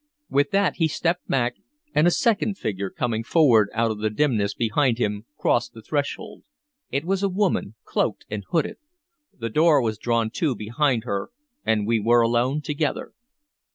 With that he stepped back, and a second figure, coming forward out of the dimness behind him, crossed the threshold. It was a woman, cloaked and hooded. The door was drawn to behind her, and we were alone together.